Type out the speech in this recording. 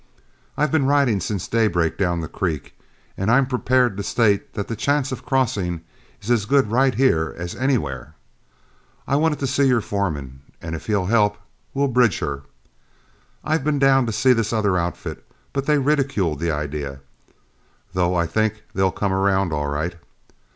I've been riding since daybreak down the creek, and I'm prepared to state that the chance of crossing is as good right here as anywhere. I wanted to see your foreman, and if he'll help, we'll bridge her. I've been down to see this other outfit, but they ridicule the idea, though I think they'll come around all right.